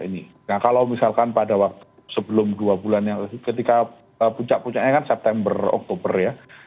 nah kalau misalkan pada waktu sebelum dua bulan yang lalu ketika puncak puncaknya kan september oktober ya